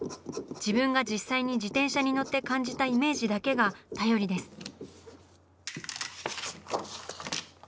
自分が実際に自転車に乗って感じたイメージだけが頼りです。